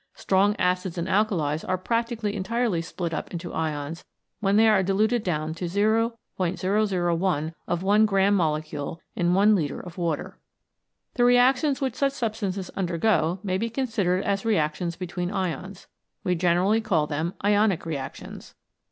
Strong acids and alkalis are practically entirely split up into ions when they are diluted down to o ooi of one gramm molecule in one litre of water. The reactions which such substances undergo may be considered as reactions between ions. We generally call them Ionic Reactions.